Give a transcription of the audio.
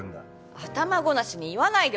頭ごなしに言わないでよ